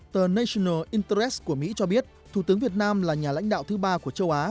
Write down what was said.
tờ national interres của mỹ cho biết thủ tướng việt nam là nhà lãnh đạo thứ ba của châu á